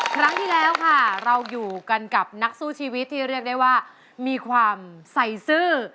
ครั้งที่แล้วค่ะเราอยู่กันกับนักสู้ชีวิตที่เรียกได้ว่ามีความใส่ซื่อ